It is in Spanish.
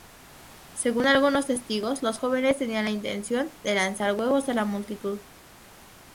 Según algunos testigos, los jóvenes tenían la intención de lanzar huevos a la multitud.